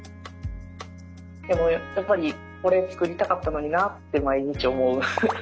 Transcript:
でもやっぱり「これつくりたかったのにな」って毎日思う。